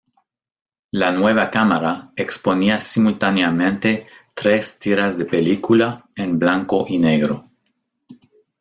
La nueva cámara exponía simultáneamente tres tiras de película en blanco y negro.